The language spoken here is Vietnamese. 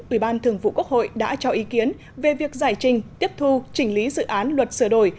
ủy ban thường vụ quốc hội đã cho ý kiến về việc giải trình tiếp thu chỉnh lý dự án luật sửa đổi